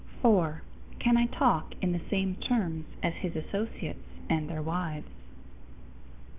_4. Can I talk in the same terms as his associates and their wives?